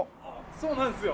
そうなんですよ。